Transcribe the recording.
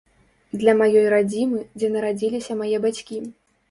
Для маёй радзімы, дзе нарадзіліся мае бацькі.